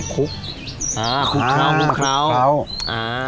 คลุกเคราะห์คลุกเคราะห์อ่าคลุกเคราะห์อ่า